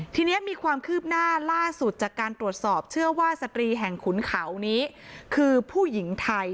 ทีนี้มีความคืบหน้าล่าสุดจากการตรวจสอบเชื่อว่าสตรีแห่งขุนเขานี้คือผู้หญิงไทย